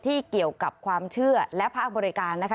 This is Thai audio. เกี่ยวกับความเชื่อและภาคบริการนะคะ